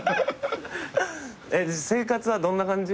生活はどんな感じ？